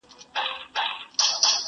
دا زړه کیسه راپاته له پلرو ده!.